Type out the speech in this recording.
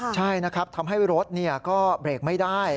ใช่นะครับทำให้รถก็เบรกไม่ได้